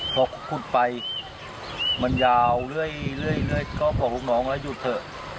พอขุดไปมันยาวเรื่อยก็บอกลูกน้องแล้วหยุดเถอะ